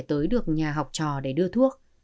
tới được nhà học trò để đưa thuốc